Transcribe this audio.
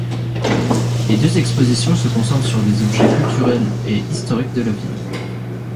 Les deux expositions se concentrent sur des objets culturels et historiques de la ville.